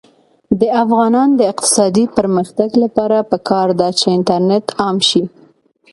د افغانستان د اقتصادي پرمختګ لپاره پکار ده چې انټرنیټ عام شي.